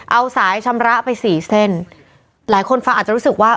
เอาสายชำระไปสี่เส้นหลายคนฟังอาจจะรู้สึกว่า